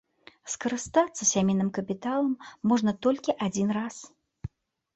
Скарыстацца сямейным капіталам можна толькі адзін раз.